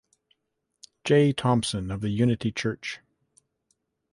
J. Thomson of the Unity Church.